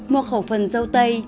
một khẩu phần dâu tây